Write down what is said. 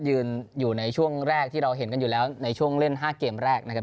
ยืนอยู่ในช่วงแรกที่เราเห็นกันอยู่แล้วในช่วงเล่น๕เกมแรกนะครับ